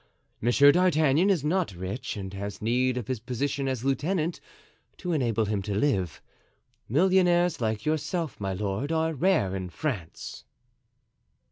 Monsieur d'Artagnan is not rich and has need of his position as lieutenant to enable him to live. Millionaires like yourself, my lord, are rare in France."